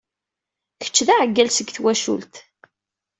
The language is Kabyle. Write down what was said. Kečč d aɛeggal seg twacult.